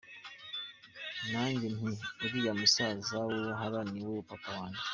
Na njye nti : uriya musaza w’uruhara ni we papa wanjye ?